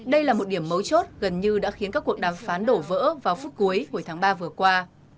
đây là một điểm mấu chốt gần như đã khiến các cuộc đàm phán đổ vỡ vào phút cuối hồi tháng ba vừa qua